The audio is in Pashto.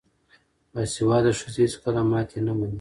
باسواده ښځې هیڅکله ماتې نه مني.